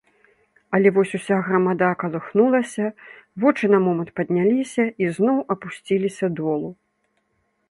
Але вось уся грамада калыхнулася, вочы на момант падняліся і зноў апусціліся долу.